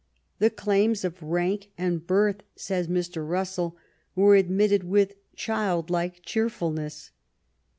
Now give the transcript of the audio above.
" The claims of rank and birth," says Mr. Russell, *'were ad mitted with a childlike cheerfulness.